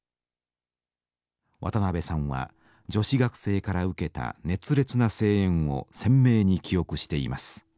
渡辺さんは女子学生から受けた熱烈な声援を鮮明に記憶しています。